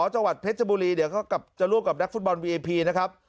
จังหวัดเพชรบุรีเดี๋ยวจะร่วมกับนักฟุตบอลวีเอพีนะครับ